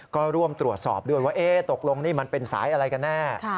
ก็ร่วมตรวจสอบด้วยว่าตกลงนี่มันเป็นสายอะไรกันแน่